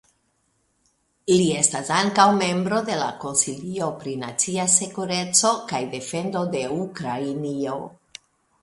Li estas ankaŭ membro de la Konsilio pri nacia sekureco kaj defendo de Ukrainio.